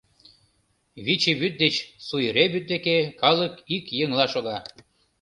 Виче вӱд деч Суйре вӱд деке калык ик еҥла шога.